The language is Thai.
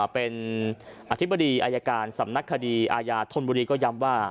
เป็นอธิบดีอายการสำนักคดีอาญาธนบุรีก็ย้ำว่า